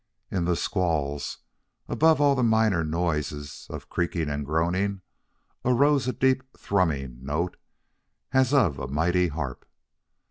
In the squalls, above all the minor noises of creaking and groaning, arose a deep thrumming note as of a mighty harp.